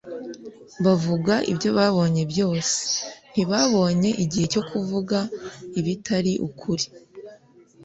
Bavuga ibyo babonye byose; ntibabonye igihe cyo kuvuga ibitari ukuri